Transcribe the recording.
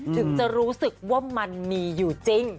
ถึงจะรู้สึกว่ามันมีอยู่จริง